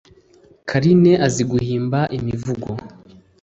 karine azi guhimba imivugo